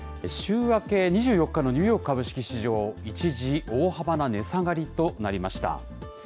週明け２４日のニューヨーク株式市場、一時大幅な値下がりとなりました。